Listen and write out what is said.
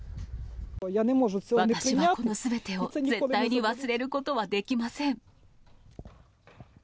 私はこのすべてを、絶対に忘れることはできません。